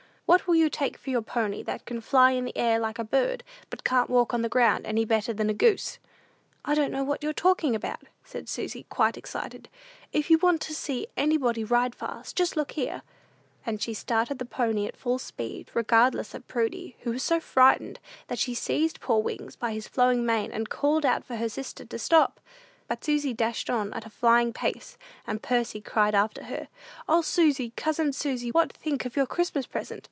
What will you take for your pony, that can fly in the air like a bird, but can't walk on the ground any better than a goose?" "I don't know what you're talking about," said Susy, quite excited: "if you want to see anybody ride fast, just look here." And she started the pony at full speed, regardless of Prudy, who was so frightened, that she seized poor Wings by his flowing mane, and called out for her sister to stop. But Susy dashed on at a flying pace, and Percy cried after her, "O, Susy, cousin Susy, what think of your Christmas present?